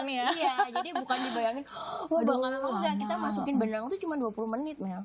iya jadi bukan dibayangin oh enggak kita masukin benang tuh cuma dua puluh menit mel